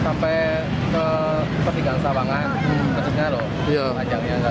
sampai ke petikan sawangan ngejutnya loh panjangnya